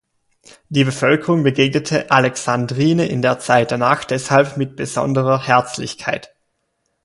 Die Bevölkerung begegnete Alexandrine in der Zeit danach deshalb mit besonderer Herzlichkeit.